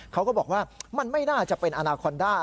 เขาก็บอกว่ามันไม่น่าจะเป็นอนาคอนด้า